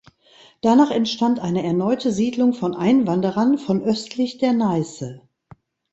Danach entstand eine erneute Siedlung von Einwanderern von östlich der Neiße.